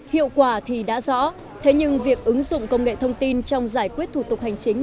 hiệu quả thì đã rõ thế nhưng việc ứng dụng công nghệ thông tin trong giải quyết thủ tục hành chính